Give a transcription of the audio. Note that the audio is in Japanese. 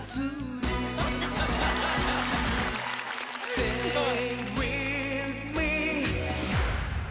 ・・すごい！・